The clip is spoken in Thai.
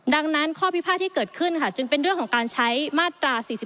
ดังนั้นข้อพิพาทที่เกิดขึ้นค่ะจึงเป็นเรื่องของการใช้มาตรา๔๔